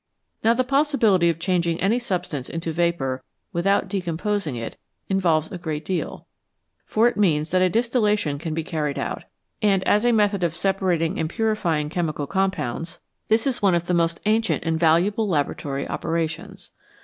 Now the possibility of changing any substance into vapour without decomposing it involves a great deal ; for it means that a distillation can be carried out, and as a method of separating and purifying chemical compounds, 193 " N HIGH TEMPERATURES this is one of the most ancient and valuable laboratory operations.